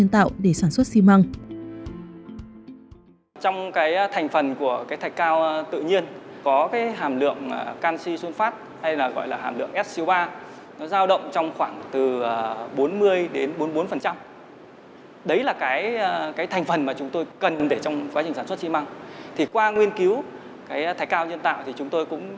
thạch cao nhân tạo để sản xuất xi măng